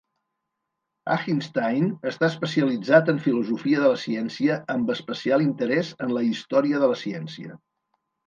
Achinstein està especialitzat en filosofia de la ciència amb especial interès en la història de la ciència.